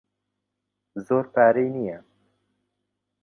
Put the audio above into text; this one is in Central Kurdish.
زۆر پارەی نییە.